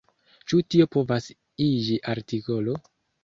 Ĉu tio povas iĝi artikolo?